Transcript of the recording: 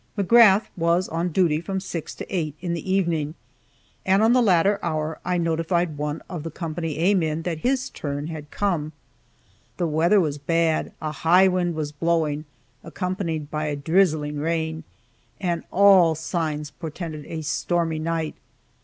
McGrath was on duty from 6 to 8 in the evening, and at the latter hour I notified one of the Co. A men that his turn had come. The weather was bad, a high wind was blowing, accompanied by a drizzling rain, and all signs portended a stormy night.